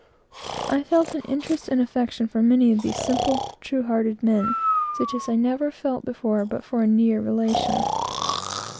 I felt an interest and affection for many of these simple, true hearted men, such as I never felt before but for a near relation.